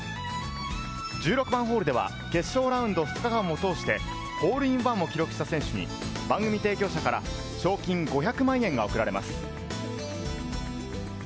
１６番ホールでは、決勝ラウンド２日間を通して、ホールインワンを記録した選手に番組提供者から賞金５００万円が贈られます。